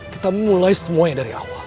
kita mulai semuanya dari awal